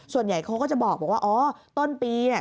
ส่วนใหญ่เขาก็จะบอกว่าอ๋อต้นปีเนี่ย